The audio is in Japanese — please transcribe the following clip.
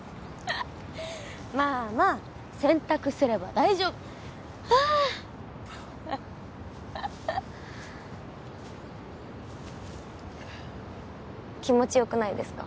まあまあ洗濯すれば大丈夫あ気持ちよくないですか？